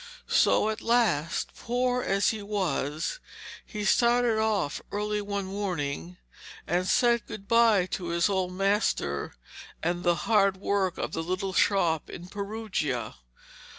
So at last, poor as he was, he started off early one morning and said good bye to his old master and the hard work of the little shop in Perugia.